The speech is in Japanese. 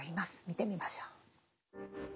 見てみましょう。